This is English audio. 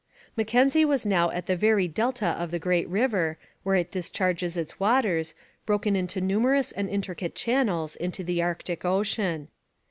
Mackenzie was now at the very delta of the great river, where it discharges its waters, broken into numerous and intricate channels, into the Arctic ocean.